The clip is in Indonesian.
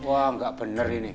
wah gak bener ini